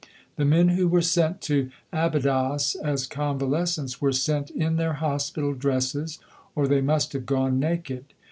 The men who were sent to Abydos as convalescents were sent in their Hospital dresses, or they must have gone naked.